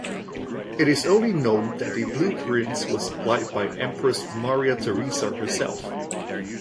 It is only known that the blueprints were supplied by empress Maria Teresa herself.